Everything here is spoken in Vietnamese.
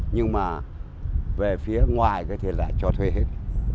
nhưng mà về phía ngoài thì là cho thuê hết